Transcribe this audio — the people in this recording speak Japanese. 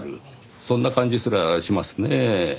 そんな感じすらしますねぇ。